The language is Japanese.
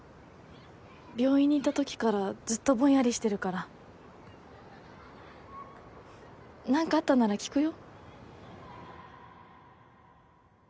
病院にいたときからずっとぼんやりしてるから何かあったなら聞くよ？